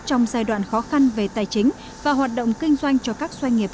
trong giai đoạn khó khăn về tài chính và hoạt động kinh doanh cho các doanh nghiệp